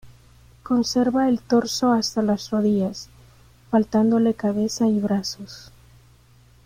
Conserva el torso hasta las rodillas, faltándole cabeza y brazos.